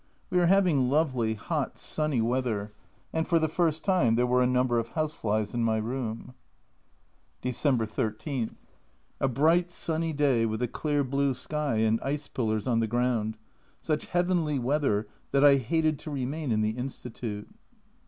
We are having lovely, hot, sunny weather, and for the first time there were a number of house flies in my room. December 13. A bright sunny day with a clear blue sky and ice pillars on the ground such heavenly weather that I hated to remain in the Institute.